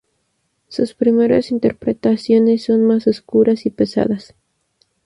Sus primeras interpretaciones son más oscuras y pesadas.